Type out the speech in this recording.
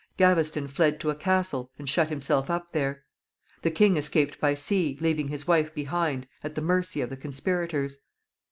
Gaveston fled to a castle, and shut himself up there. The king escaped by sea, leaving his wife behind, at the mercy of the conspirators.